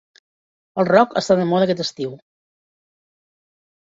El rock està de moda aquest estiu.